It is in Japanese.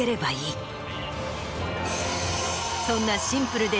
そんな。